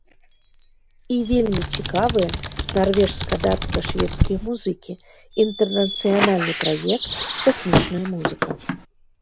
І вельмі цікавыя нарвежска-дацка-шведскія музыкі, інтэрнацыянальны праект, касмічная музыка!